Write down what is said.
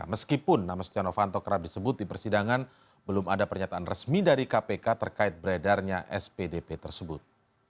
meskipun nama stiano fanto kerap disebut di persidangan belum ada pernyataan resmi dari kpk terkait beredarnya spdp tersebut